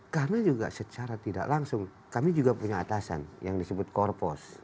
karena juga secara tidak langsung kami juga punya atasan yang disebut korpos